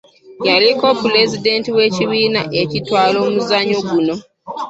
Yaliko Pulezidenti w’ekibiina ekitwala omuzannyo guno.